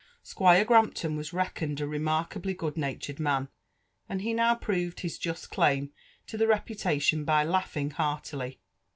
Squire Grampton was reckoned a remarkably good natured man, and he now proved his just claim to the reputation by laughing heartily.